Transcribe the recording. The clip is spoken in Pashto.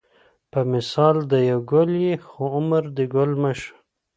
په مثال دې یو ګل یې خو عمر دې ګل مه شه